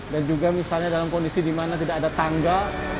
dan juga misalnya dalam kondisi di mana tidak ada tangga